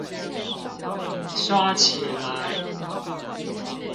刷起來